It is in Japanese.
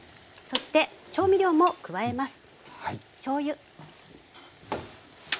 そして調味料も加えます。